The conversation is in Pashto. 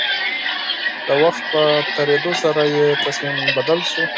د وخت په تېرېدو سره يې تصميم بدل شو.